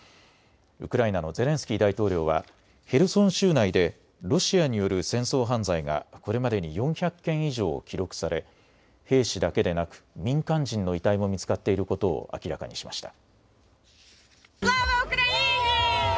ウクライナのゼレンスキー大統領はヘルソン州内でロシアによる戦争犯罪がこれまでに４００件以上記録され兵士だけでなく民間人の遺体も見つかっていることを明らかにしました。